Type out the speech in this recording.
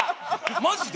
マジで。